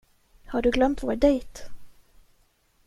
Har du glömt vår dejt?